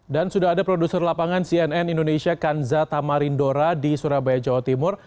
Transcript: dan sudah ada produser lapangan cnn indonesia kanza tamarindora di surabaya jawa timur